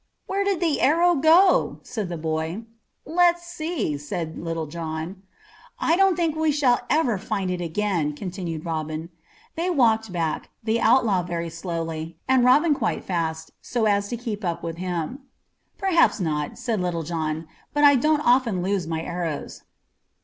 "Where did that arrow go?" said the boy. "Let's see," said Little John. "I don't think we shall ever find it again," continued Robin. They walked back, the outlaw very slowly, and Robin quite fast so as to keep up with him. "Perhaps not," said Little John, "but I don't often lose my arrows."